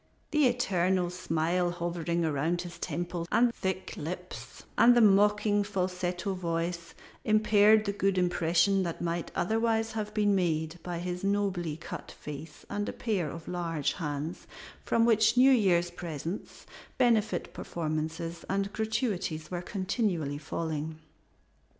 The eternal smile hovering around his temples and thick lips, and the mocking falsetto voice, impaired the good impression that might otherwise have been made by his nobly cut face and a pair of large hands, from which New Year's presents, benefit performances, and gratuities were continually falling.